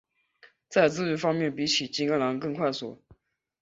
在自愈方面比起金钢狼更快速。